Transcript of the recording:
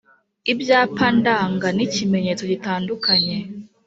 Ibyapa ndanga n'ikimenyetso gitandukanye